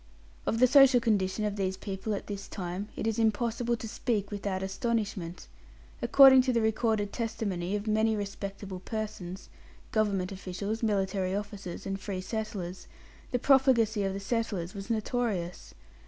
Of the social condition of these people at this time it is impossible to speak without astonishment. According to the recorded testimony of many respectable persons Government officials, military officers, and free settlers the profligacy of the settlers was notorious.